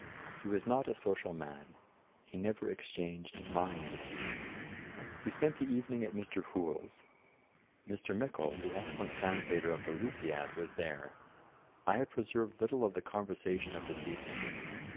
He was not a social man. He never exchanged mind with you.' We spent the evening at Mr. Hoole's. Mr. Mickle, the excellent translator of The Lusiad, was there. I have preserved little of the conversation of this evening.